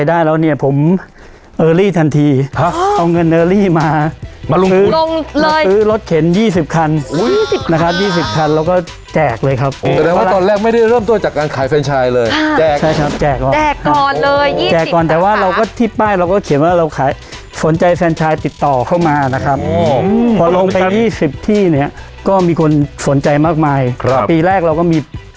ได้ยินแล้วเรียบไปแก้ด้วยไวแล้วจะได้ทรัพย์ได้โชคได้ลาบ